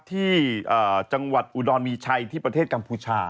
ที่จังหวัดอุดรมีชัยที่ประเทศกัมพูชา